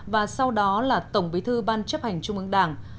và sau đó là tổng bí thư ban chấp hành trung ương đảng